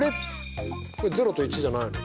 これ０と１じゃないの？